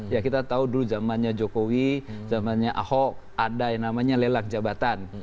ya kita tahu dulu zamannya jokowi zamannya ahok ada yang namanya lelak jabatan